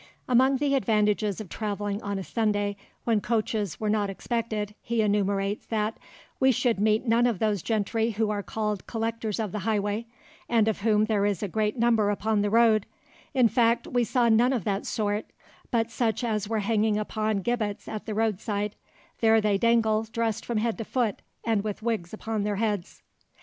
Among the advantages of travelling on a Sunday when coaches were not expected, he enumerates that "we should meet none of those gentry who are called collectors of the highway, and of whom there is a great number upon the road; in fact we saw none of that sort, but such as were hanging upon gibbets at the road side; there they dangle, dressed from head to foot, and with wigs upon their heads."